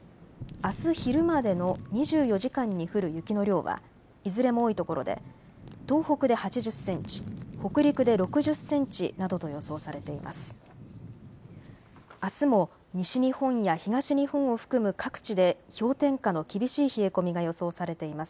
あす昼までの２４時間に降る雪の量はいずれも多いところで東北で８０センチ、北陸で６０センチなどと予想されています。